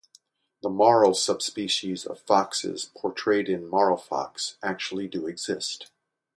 The "Marl" sub-species of foxes portrayed in "Marlfox" actually do exist.